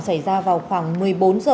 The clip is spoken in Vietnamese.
xảy ra vào khoảng một mươi bốn h